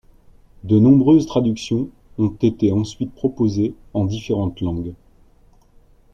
De nombreuses traductions ont été ensuite proposées en différentes langues.